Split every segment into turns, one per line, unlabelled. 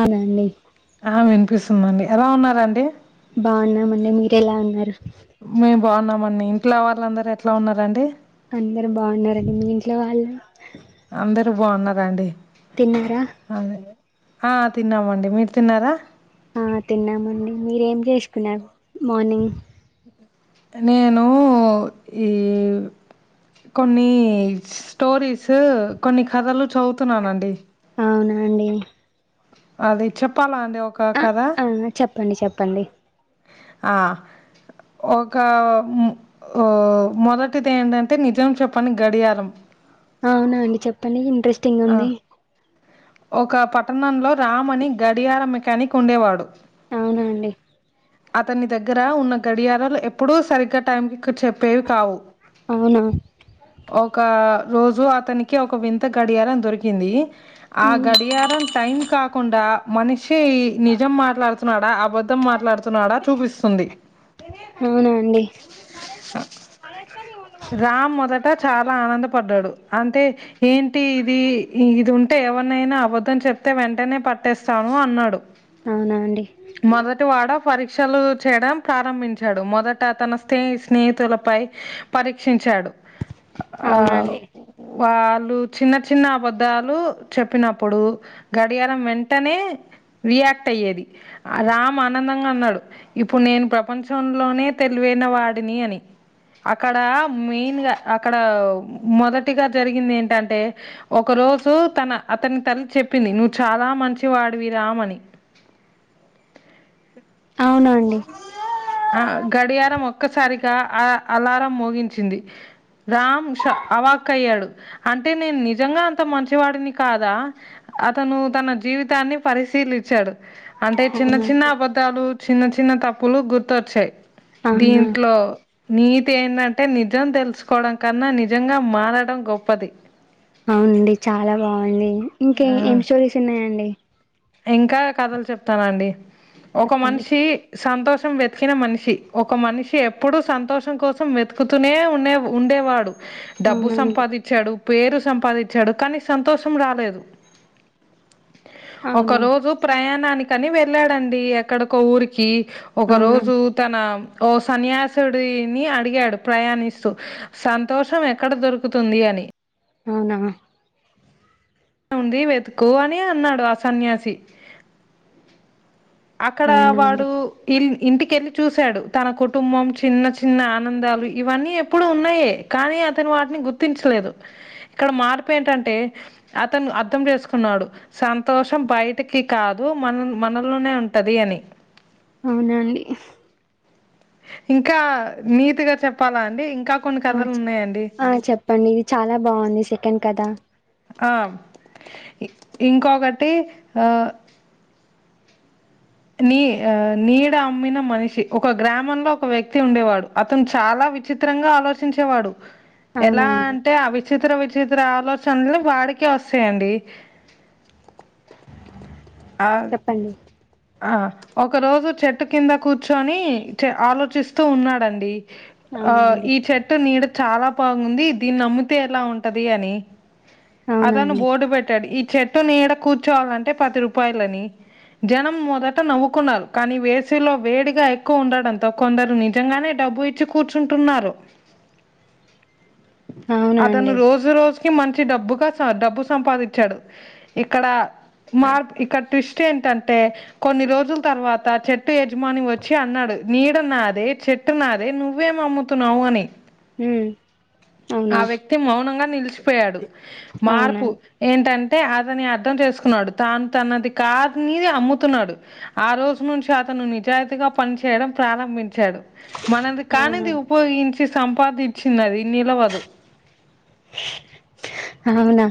అవునండి
మండి ఎలా ఉన్నారండి
బాగున్నామండి మీరు ఎలా ఉన్నారు.
మేం బాగున్నామండి ఇంట్లో వాళ్ళందరు ఎట్లా ఉన్నారండి
అందరు బాగున్నారండి మీ ఇంట్లో వాళ్ళు
అందరు బాగున్నార అండి
తిన్నారా
అదే ఆ తిన్నామండి మీరు తిన్నారా
ఆ తిన్నామండి మీరేం చేసుకున్నారు మార్నింగ్
నేను ఈ కొన్ని స్టోరీస్ కొన్ని కథలు చదువుతున్నానండి
అవునా అండి
అది చెప్పలాం డి ఒక కద
ప్పండి చెప్పండి
ఆ ఒక ఓ మొదటిది ఏంటంటే నిజం చెప్పని గడియారం
అవునా అండి చెప్పండి ఇంట్రెస్టింగ
ఆ
ఉంది
ఒక పట్టణంలో రామ్ అని గడియార మెకానీక్ కొండేవాడు
అవునా అండి
అతని దగ్గర ఉన్న గడియారాలు ఎప్పుడూ సరిగ్గా టైం క చెప్పేవి కావు
అవునా
ఒక రోజు అతనికి ఒక వింత గడియారం దొరికింది ఆ
అవును.
గడియారం టైం కాకుండా మనిషి నిజం మాట్లాడుతున్నాడా అబద్ధం మాట్లాడుతు స్తున్నాడా చూపిస్తుంది
అవునా అండి
రామ్ మొదట చాలా ఆనందపడ్డాడు అంటే ఏంటి ఇది ఇది ఉంటే ఎవనైనా అబద్ అతను చెప్తే వెంటనే పట్టేస్తాను అన్నాడు
అవునా అండి
మొదటి వాడ పరీక్షలు చేయడం ప్రారంభించాడు మొదట అతను స్నే స్నేహితులపై పరీక్షించాడు ఆ
అవునా అండి
వా చిన్న చిన్న అబద్ధాలు చెప్పినప్పుడు గడియారం వెంటనే రియాక్ట్ అయ్యేది రామ్ ఆనందంగా అన్నాడు ఇప్పుడు నేను ప్రపంచంలోనే తెలివన వాడిని అని అక్కడ మెయిన్గా అక్కడ మొదటిగా జరిగింది ఏంటంటే ఒక రోజు తన అతని తల్లి చెప్పింది నువ్వు చాలా మంచివాడివి రామ్ అని
అవునా అండి
ఆ గడియారం ఒక్కసారిగా అ అలారం మోగించింది రామ్ ష అవాక్ అయ్యాడు అంటే నేను నిజంగా అంత మంచివాడిని కాదా అతను తన జీవితాన్ని పరిశీలించాడు అంటే చిన్న
అవునా
చిన్న
అండి.
అబద్ధాలు చిన్న చిన్న తప్పులు గు ర్తొచ్చాయి
అవునా
దీంట్లో నీతి ఏంటంటే నిజం తెలుసుకోవడం కన్నా నిజంగా మారడం గొప్పది
అవునండి చాలా బాగుంది ఇంకే ఏం
ఆ!
స్టోరీస్ ఉన్నాయంండి
ఇంకా కథలు చెప్తానండి. ఒక
చెప్పండి
మనిషి సంతోషం వెతికిన మనిషి ఒక మనిషి ఎప్పుడూ సంతోషం కోసం వెతుకుతూనే ఉండే ఉండేవాడు డబ్బు
అవునండి
సంపాదించాడు పేరు సంపాదించాడు కానీ సంతోషం రాలేదు ఒక
అవునా
రోజు ప్రయాణ నానికని వెళ్ళాడండి ఎక్కడికో ఊరికి ఒక
అవునా
రోజు తన ఓ సన్యాసుడిని అడిగాడు ప్రయాణిస్తూ సంతోషం ఎక్కడ దొరుకుతుంది అని
అవునా
ఉంది వెతుకు అని అన్నాడు ఆ సన్యాసి. అక్కడ
అవునా
వాడు
అండి
ఇల్ ఇంటికెళ్లి చూశాడు తన కుటుంబం చిన్న చిన్న ఆనందాలు ఇవన్నీ ఎప్పుడు ఉన్నాయే కానీ అతను వాటిని గుర్తించలేదు. ఇక్కడ మార్పు ఏంటంటే అతను అర్థం చేసుకున్నాడు. సంతోషం బయటకి కాదు మన మనలోనే ఉంట ఉంటది అని
అవునండి
ఇంకా నీతుగా చెప్పాలా అండి ఇంకా కొన్ని
ఆ
కథలు ఉన్నాయండి
ఆ చెప్పండి ఇది చాలా బాగుంది. కం కదా
ఆ ఇంకొకటి ఆ నీ ఆ నీడ అమ్మిన మనిషి ఒక గ్రామంలో ఒక వ్యక్తి ఉండేవాడు. అతను చాలా విచిత్రంగా ఆలోచించేవాడు.
అవునా
ఎలా
అండి
అంటే అవి విచిత్ర విచిత్ర ఆలోచనని వాడికే వస్తాయండి. ఆ
చెప్పండి
ఆ ఒక రోజు చెట్టు కింద కూర్చుని ఆలోచిస్తూ ఉన్నాడండి. ఆ
అవునా అండి
ఈ చెట్టు నీడ చాలా బాగుంది దీన్ని నమ్మితే ఎలా ఉంటది అని.
అవునా
అతను
అండి
బోర్డు పెట్టాడు ఈ చెట్టు నీడ కూర్చోవాలంటే పది రూపాయలని జనం మొదట నవ్వుకున్నారు. కానీ వేసవిలో వేడిగా ఎక్కువ ఉండడంతో కొందరు నిజంగానే డబ్బు ఇచ్చి కూర్చుంటున్నారు.
అవునా
అతను
అండి
రోజ రోజ మంచి డబ్బుగా డబ్బు సంపాదించాడు. ఇక్కడ మార్ ఇక్కడ ట్విస్ట్ ఏంటంటే కొన్ని రోజుల తర్వాత చెట్టు యజమాని వచ్చి అన్నాడు. నీడ నాదే చెట్టు నాదే నువ్వేం అమ్ముతున్నావు అని.
ఉమ్ అవునా
ఆ వ్యక్తి మౌనంగా నిలిచిపోయాడు
అవునా
మార్పు ఏంటంటే అంటే అతని అర్థం చేసుకున్నాడు. తాను తనది కాదునిది అమ్ము తున్నాడు ఆ రోజు నుంచి అతను నిజాయితీగా పనిచేయడం ప్రారంభించాడు. మనది
అవునా
కానిది ఉపయోగించి సంపాదించిందిది నిలవదు.
అవునా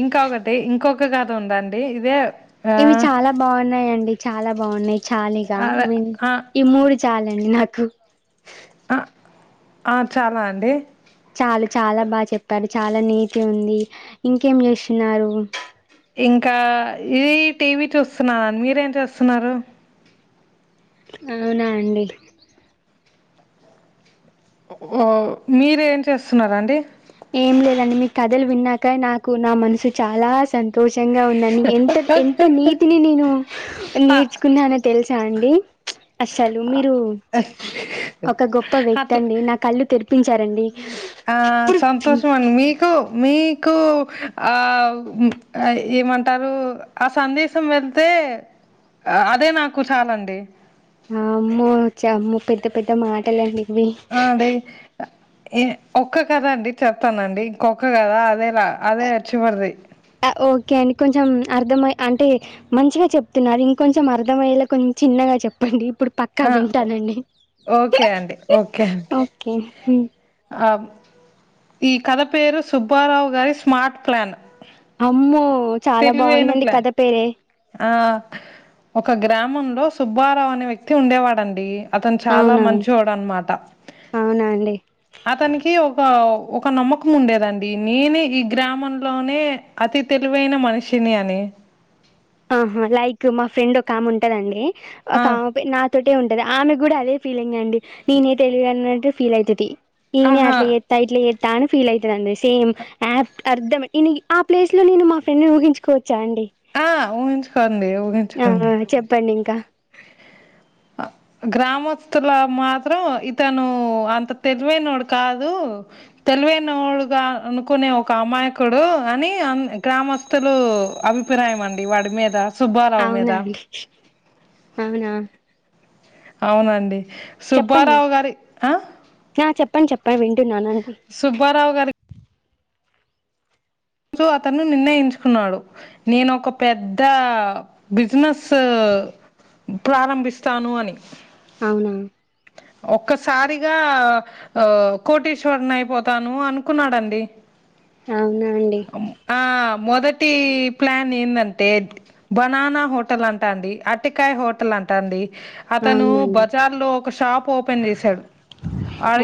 ఇంకొటి ఇంకొక కథ ఉందాండి ఇదే
ఇవి
ఆహ్,
చాలా బాగున్నాయిండి, చాలా బాగున్నాయి చాలీగా
అదే ఆ!
ఈ మూడు. చాలండి నాకు
ఆ! ఆ చాలా అండి
చాలు చాలా బాగా చెప్పారు చాలా నీటి ఉంది ఇంకేం చేస్తున్నారు.
ఇంకా ఇది టీవీ చూస్తున్నాను. మీరేం చేస్తున్నారు?
అవునా అండి
ఓ మీర ఏం చేస్తున్నారా అండి
ఏం లేదండి మీ కథలు విన్నాక నాకు నా మనసు చాలా సంత సంతోషంగా ఉందని ఎంత ఎంత నీతిని నేను
అ
నేర్చుకున్నానో తెలుసు చాండడి అశలు మీరు ఒక గొప్ప వ్యక్తి
అట్లా
అండి నా కళ్ళు తెరు ఇప్పించారంండి
ఆ సం తస మ మీకు మీ నీకు ఆ ఏమంటారు ఆ సందేశం వెళ్తే అదే నాకు చాలండి
అమ్మమ్మ పెతే ఇ పెద్ద మాటలంటికి
ఆ! అదే ఒక్క కద అండి చెతానండి ఇంకొక్క కద అదే అదే అచ్చిపర్ది
క అని కొంచెం అర్థమయ అంటే మంచిగా చెప్తున్నారు ఇంకొంచెం అర్థమయ్యేలా కొంచం చిన్నగా చెప్పండి ఇప్పుడు పక్కా
ఆ! ఓ
వింటానండి
ఓకే అండి. ఓకే అండి.
ఓకే
ఆహ్, ఈ కథ పేరు సుబ్బారావు గారి స్మార్ట్ ప్లాన్
అమ్మో చాలా
తెలివైన
బాగుందండి
ప్లాన్.
కథ పేరే
ఆ ఒక గ్రామంలో సుబ్బారావు అనే వ్యక్తి ఉండేవాడంండి అతను చాలా
అవునా
మంచిడు అనమాట
అవునా అండి
అతనికి ఒక ఒక నమ్మకం ఉండేదండి నేనే ఈ గ్రామంలోనే అతి తెలివైన మనిషిని అని
ఆహా లైక్ మా ఫ్రెండ్ ఒక ఆమె ఉంటదండి
ఆ
ఒక మే నాతోటి ఉంటే ఉంటది ఆమె కూడా అదే ఫీలింగ్ అండి నేనే తెలిదు అన్నట్టు ఫీల్ అయితది ఈనే
ఆహా
అట్ల ఎత్తా ఇట్లే ఎత్తా చానా ఫీల్ అయితే దండి సేమ్ యాప్ అర్ధం ఆ ప్లేస్ లో నేను మా ఫ్రెండ్ ఊహించుకోవచ్చ చాండి
ఆ ఊహించుకోండి
ఆ
ఊహించుకోండి
చెప్పండి
గ్రామస్తుల మాత్రం ఇతను అంత తెలివైనోడు కాదు తెలివైనోడుగా అనుకునే ఒక అమాయకుడు అని అ గ్రామస్తులు అభిప్రాయం అండి వాడి మీద సుబ్బారావు మీద
అవునా అండి అవునా
అవునండి
చెప్పండి
సుబ్బారావు గారి ఆ
అప్పా వింటు నాన్నకు
సుబ్బారావు గారి సొ అతను నిర్ణయించుకున్నాడు నేను ఒక పెద్ద బిజినెస్ ప్రారంభిస్తాను అని
అవునా
ఒక్కసారిగా ఆ కోటేశ్వర్ని అయిపోతాను అనుకున్నాడంండి
అవునా అండి
ఆ మొదటి ప్లాన్ ఏందంటే బనానా హోటల్ అంటా అండి అటికాయ హోటల్ అంటా అండి అతను
అవునండి
బజార్ లో ఒక షాప్ ఓపెన్ చేశాడు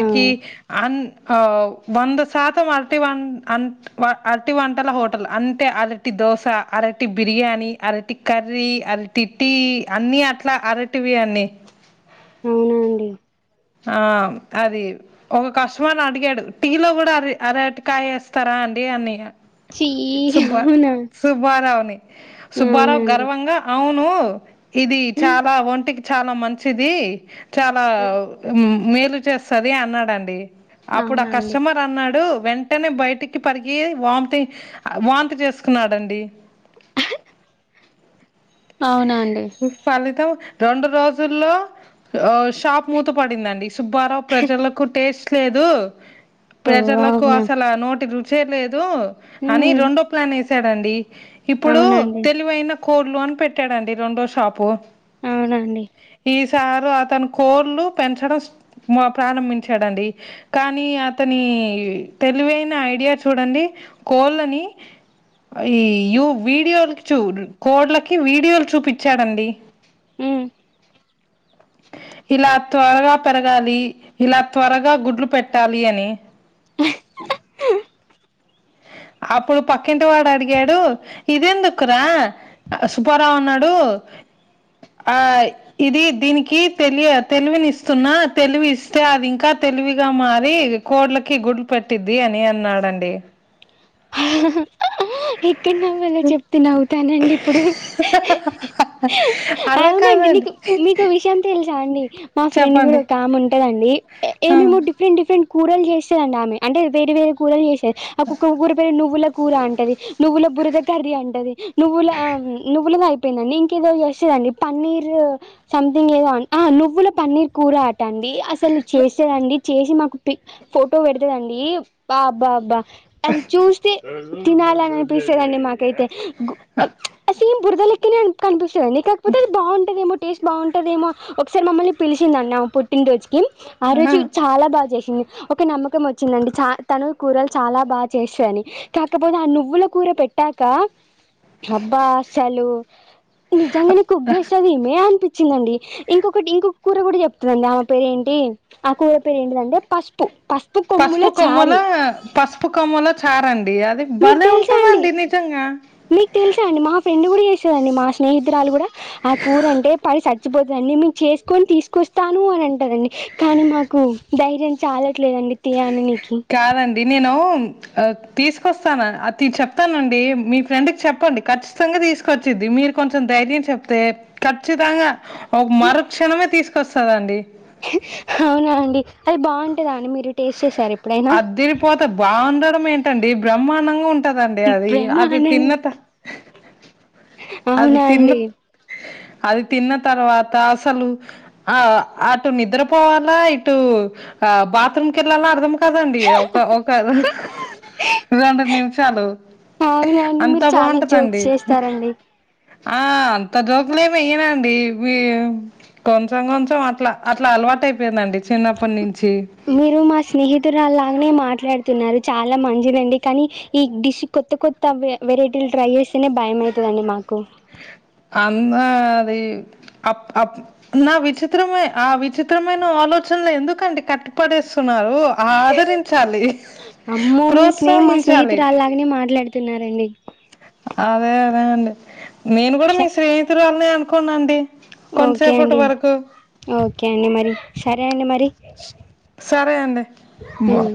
ఆ
అన్ ఆ వంద శాతం అరటి వన్ అ అరటి వంటల హోటల్ అంటే అరటి దోశ అరటి బిర్యానీ అరటి కర్రీ అరటి టీ అన్నీ అట్లా అరటివి అన్నీ
అవునా అండి
ఆ అది ఒక కష్టమర్ ని అడిగాడు టీ లో కూడా అర అరటికాయ వేస్తారా అండి అన్ని
చీ
సుబ్బ
అవునా
సుబ్బారవని సుబ్బారావు
అవునండి
గర్వంగా అవును ను ఇది చాలా ఒంటికి చాలా మంచిది చాలా మ్ మేలు చేస్తది అన్నాడండి అప్పుడు ఆ
అవునా అండి
కస్టమర్ అన్నాడు వెంటనే బయటికి పరిగి వాంతి వాంతి చేసుకున్నాడండి
అవునా అండి
ఫలితం రెండు రోజుల్లో షాప్ మూత పడిందండి సుబ్బారావు ప్రజలకు టేస్ట్ లేదు
ఓ
ప్రజర్లకు
అవునా
అసాల నోటి రు రుచేలేదు దు అని
ఉమ్
రెండో ప్లాన్ వేసి చడండి ఇప్పుడు
అవునండి
తెలివైన కొల్లు అని పెట్ట పెట్టాడండి రెండో షాపు
అవునండి
ఈ సారు అతను కోళ్లు పెంచడం ప్రారంభించాడండి కానీ అతని తెలివైన ఐడియా చూడండి కోళ్ళని ఈ యు వీడియో లాకి కొడ్లకి వి వీడియోలు చూపిచ్చాడండి
ఉమ్
ఇలా త్వరగా పెరగాలి ఇలా త్వరగా గుడ్లు పెట్టాలి అని అప్పుడు పక్కింటి వాడు అడిగాడు ఇదేందుకురా సుబ్బారావు అన్నాడు ఆ ఇది దీనికి తెలి తెలివిని ఇస్తున్నా తెలివి ఇస్తే అది ఇంకా తెలివిగా మారి కోడ్లకి గుడ్లు పెట్టిద్ది అని అన్నాడంండి
[unintelligible] ఎక్కడనవవాలో చెప్తే నవ్వుతానండి ఇప్పుడు
అలా
అవునండి నీకు
కాదండి
మీకు విషయం తెలుసా అండి మా ఫ్రెండ్ కూడా
చెప్పండి
ఒకామె ఉంటాది ఎ
ఆ
ఏమేమో డిఫరెంట్ డిఫరెంట్ కూరలు చేస్తదంట ఆమె అంటే వేరు వేరు కూరలు చేస్తది ఆ కుక్క ఉగురు. పే నువ్వుల కూర అంటది. నువ్వుల బురద కర్రి అంటది. నువ్వుల ఆ నువ్వులు ఐ. పెందండి ఇంకేదో చేస్తదండి. పన్నీర్ సంథింగ్ ఏదో అన్ ఆ నువ్వుల పన్నీర్ కూర అట అండి అసలు చేస్తేదండి చేసి మాకు పి ఫోటో పెడతదండి బ్బాబ్బాబ్బా.
అ
తి తినాలని అనిపిస్తదండి మాకైతే బ్
హ
ఇమ్ బురదలెక్కనే అనిప్ కనిపిస్ చర్నీ కాకపోతే బాగుంటదేమో. టేస్ట్ బాగుంటదేమో ఒకసారి మమ్మల్ని పిలిచిందన్న పుట్టిన్ రోజుకి. ఆ రోజు చాలా బాగా చేసిన్ చింది ఒక నమ్మకం వచ్చిందండి చ తను కూరల్ చాలా బా చేస్తదని కాకపోతే ఆ నువ్వుల కూర పెట్టాక అబ్బా అసలు నిజంగానే కుక్ చేస్తదీమే అనిపిస్ చ్చిందండి ఇంకొకటి ఇంకొక్ కూర కూడా చెప్తదండి ఆమె పేర ఏంటి ఆ కూర పేరు ఏంటిదంటే పస్పు
పస్పు కొమ్ములా పస్పు కొమ్ముల క్ చారన్ ది అదే
మీకు
బలే
తెలుసా అండి
వుంటదండి నిజంగా
మీకు తెలుసా అండి మా ఫ్రెండ్ గూడ చేస్తదండి మా స్నేహితురాలు కూడా ఆ కూర అంటే పడి చచ్చిపోతదండి నే మేమ్ చేస్కొన్ తీసుకొస్తాను అని అంటదండి. కానీ మాకు ధైర్యం చాలా ట్లేదండి తీ అనినికి
డి నేను అ తీసుకొస్తాను అ అతి చెప్తానండి మీ ఫ్రెండ్కి చెప్పండి ఖచ్చితంగా తీసుకొచ్చిద్ది మీరు కొంచెం ధైర్యం చెప్తే ఖచ్చితంగా ఒక్ మరు క్షణమే తీస్ తెస్తదండి.
అవునా అండి. ఐ బాగుంటదా అండి మీరు టేస్ట్ చేసారా ఎప్పుడైనా
అదిరిపోతే బాగుండడమేంట్. టండీ బ్రహ్మాండంగా ఉంట్ టదండి అది
ఇప్పుడేమో
అది
అనండి
తిన్నత అది
అవునా
తిన్న
అండి
అది తిన్న తర్వాత అసలు ఆ అటు నిద్రపోవాలా ఇటు ఆ బాత్రూమ్ కెళ్ళాలా అర్థము కాదండి ఒక ఒక రెండ్ రెండు నిమిషాలు
అవునా అండి
అంత
మీరు చాలా
బాగుంటదండి.
జోక్స్ చేస్తారండి
ఆ అంత జోకులేమి వేయనంది మీ కొంచెం కొంచెం అట్ల అట్లా అలవాటు అయిపోయిందండి చిన్నప్పటి నించి
మీరు మాస్ స్నేహితురాలాగానే మాట్లాడుతున్నారు చాలా మంచిదండి కానీ ఈ డిష్ కొత్త కొత్త వెరైటీలు ట్రై చేస్తేనే భయమవుతుందండి మాకు
అంద అది అప్ప్ నా విచిత్రమ ఆ విచిత్రమైన ఆలోచనలు ఎందుకండి కట్టుపడేస్తున్నారు
అమ్మో మీ స్నేహం మా
ప్రోత్సహించాలి.
స్నేహితురాలాగనే మాట్లాడుతున్నారండి
అదే అదే అండి నేను కూడా మీ స్నేహితుడి వాళ్ళనే అనుకునండి
ఓకే అండి ఓకే అండి మరి సరే అండి మరి
సరే అడి మ
ఉమ్